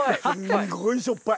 すごいしょっぱい。